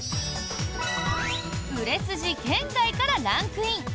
売れ筋圏外からランクイン！